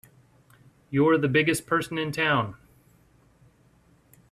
You're the biggest person in town!